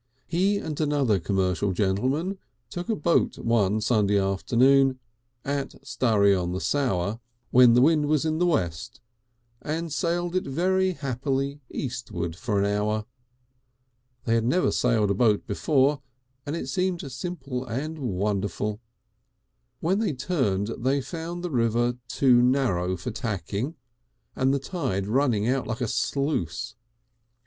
He and another commercial gentleman took a boat one Sunday afternoon at Sturry on the Stour, when the wind was in the west, and sailed it very happily eastward for an hour. They had never sailed a boat before and it seemed simple and wonderful. When they turned they found the river too narrow for tacking and the tide running out like a sluice.